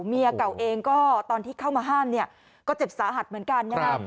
เมียเก่าเองก็ตอนที่เข้ามาห้ามก็เจ็บสาหัสเหมือนกัน